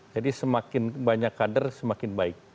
jadi semakin banyak kader semakin baik